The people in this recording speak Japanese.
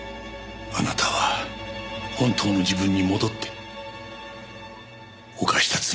あなたは本当の自分に戻って犯した罪を償ってください。